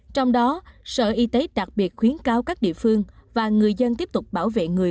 trong đó sở y tế đặc biệt khuyến cáo các địa phương và người dân tiếp tục bảo vệ người